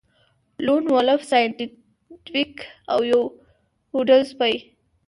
لون وولف سایینټیفیک او یو پوډل سپی